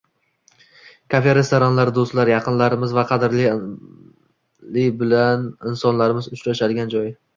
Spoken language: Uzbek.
Kafe-restoranlar doʻstlar, yaqinlarimiz va qadrli bilan insonlarimiz uchrashadigan joy